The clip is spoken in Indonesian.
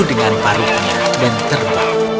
dan mereka terbang